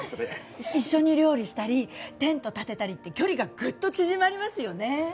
一緒に料理したりテント立てたりって距離がグッと縮まりますよね